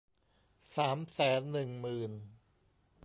สามแสนหนึ่งหมื่น